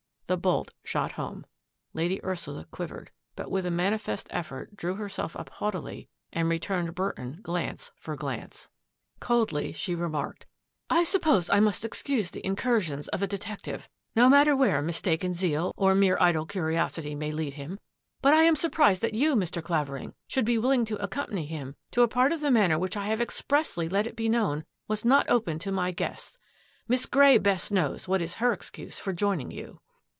The bolt shot home. Lady Ursula quivered, but with a manifest effort drew herself up haughtily and returned Burton glance for glance. 100 THE DRESSING TABLE DRAWER 101 Coldly she remarked, ^^ I suppose I must excuse the incursions of a detective, no matter where mis taken zeal or mere idle curiosity may lead him, but I am surprised that you, Mr. Clavering, should be willing to accompany him to a part of the Manor which I have expressly let it be known was not open to my guests. Miss Grey best knows what is her excuse for joining you."